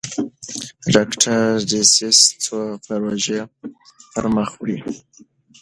ډاکټر ډسیس څو پروژې پرمخ وړي.